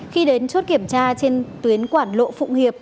khi đến chốt kiểm tra trên tuyến quảng lộ phụng hiệp